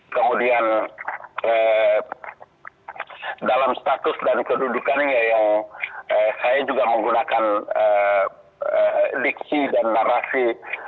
kemudian dalam status dan kedudukannya yang saya juga menggunakan diksi dan narasi